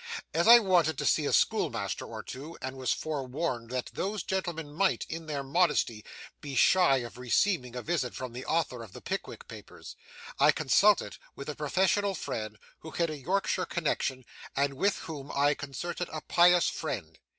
As I wanted to see a schoolmaster or two, and was forewarned that those gentlemen might, in their modesty, be shy of receiving a visit from the author of the "Pickwick Papers," I consulted with a professional friend who had a Yorkshire connexion, and with whom I concerted a pious fraud.